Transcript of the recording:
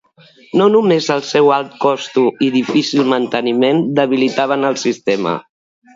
No només el seu alt costo i difícil manteniment debilitaven el sistema.